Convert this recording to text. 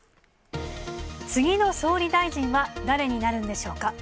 次の総理大臣は誰になるんでしょうか。